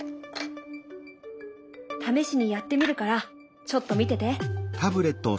試しにやってみるからちょっと見てて。